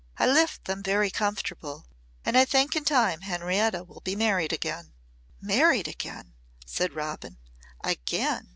I left them very comfortable and I think in time Henrietta will be married again." "Married again!" said Robin. "Again!"